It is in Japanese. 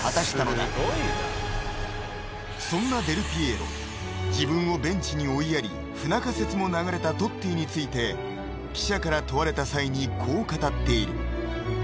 ［そんなデルピエーロ自分をベンチに追いやり不仲説も流れたトッティについて記者から問われた際にこう語っている］